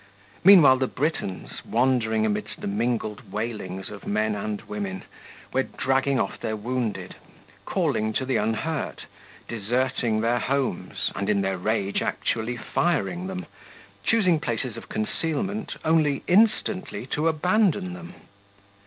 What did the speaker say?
Meanwhile the Britons, wandering amidst the mingled wailings of men and women, were dragging off their wounded, calling to the unhurt, deserting their homes, and in their rage actually firing them, choosing places of concealment only instantly to abandon them.